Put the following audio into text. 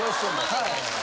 はい。